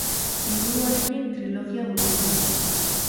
Liburu honekin trilogia burutu da.